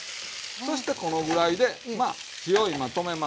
そしてこのぐらいでまあ火を今止めました。ね。